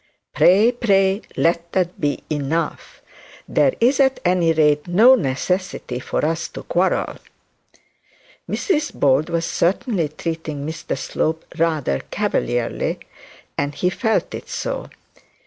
Pray, pray, let that be enough; there is at any rage no necessity for us to quarrel.' Mrs Bold was certainly treating Mr Slope rather cavalierly, and he felt it so.